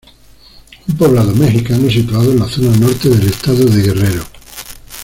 Un poblado mexicano situado en la zona norte del estado de Guerrero.